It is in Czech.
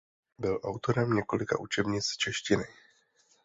Byl autorem několika učebnic češtiny.